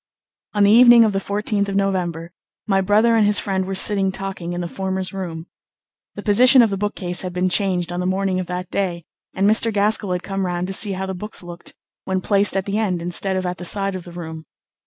On the evening of the 14th of November my brother and his friend were sitting talking in the former's room. The position of the bookcase had been changed on the morning of that day, and Mr. Gaskell had come round to see how the books looked when placed at the end instead of at the side of the room.